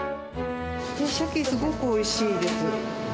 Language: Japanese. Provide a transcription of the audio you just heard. サケ、すごくおいしいです。